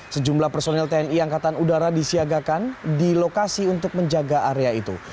sejumlah personel tni angkatan udara disiagakan di lokasi untuk menjaga area itu